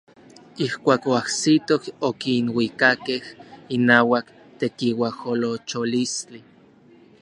Ijkuak oajsitoj okinuikakej inauak tekiuajolocholistli.